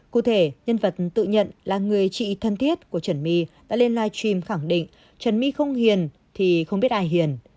cụ thể nhân vật tự nhận là người chị thân thiết của trần my đã lên live stream khẳng định trần my không hiền thì không biết ai hiền